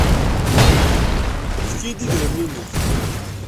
Efk-iyi-d idrimen-nnek.